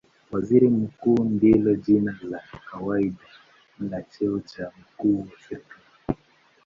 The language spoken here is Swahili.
Waziri Mkuu ndilo jina la kawaida la cheo cha mkuu wa serikali.